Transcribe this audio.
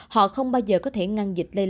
họ không bao giờ có thể ngăn dịch